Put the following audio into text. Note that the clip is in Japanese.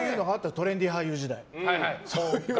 トレンディー俳優時代。